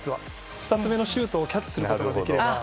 ２つ目のシュートをキャッチすることができれば。